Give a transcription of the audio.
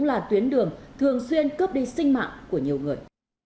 đó là một tuyến đường thường xuyên cướp đi sinh mạng của nhiều người